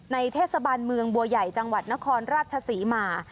เทศบาลเมืองบัวใหญ่จังหวัดนครราชศรีมา